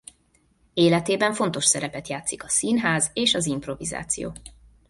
Életében fontos szerepet játszik a színház és az improvizáció.